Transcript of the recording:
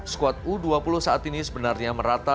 skuad u dua puluh saat ini sebenarnya merata